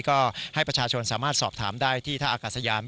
ก็ให้ประชาชนสามารถสอบถามได้ที่ท่าอากาศยาน